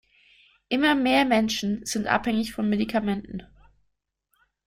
Immer mehr Menschen sind abhängig von Medikamenten.